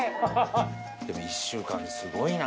でも１週間ですごいな。